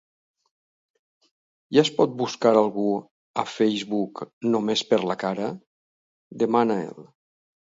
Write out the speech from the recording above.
Ja es pot buscar algú a Facebook, només per la cara? —demana el